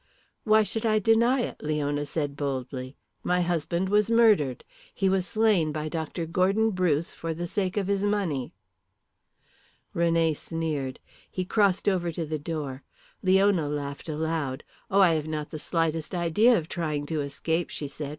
"Why should I deny it?" Leona said boldly. "My husband was murdered. He was slain by Dr. Gordon Bruce for the sake of his money." René sneered. He crossed over to the door. Leona laughed aloud. "Oh, I have not the slightest idea of trying to escape," she said.